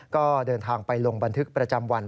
ก็เดินทางไปลงบันทึกประจำวัน